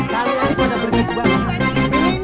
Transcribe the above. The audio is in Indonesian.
kalian itu ada berikut banget